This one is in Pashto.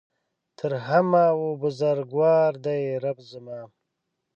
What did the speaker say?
تر همه ؤ بزرګوار دی رب زما